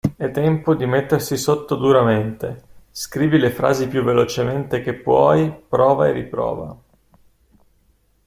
È tempo di mettersi sotto duramente, scrivi le frasi più velocemente che puoi, prova e riprova.